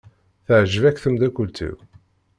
Teɛjeb-ak tmeddakelt-iw?